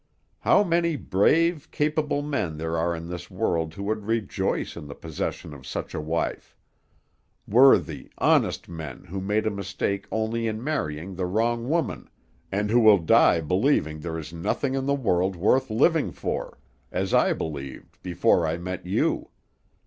How many brave, capable men there are in the world who would rejoice in the possession of such a wife; worthy, honest men who made a mistake only in marrying the wrong woman, and who will die believing there is nothing in the world worth living for, as I believed before I met you.